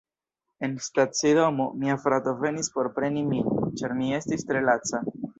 En stacidomo, mia frato venis por preni min, ĉar mi estis tre laca.